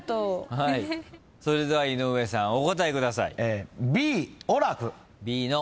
それでは井上さんお答えください。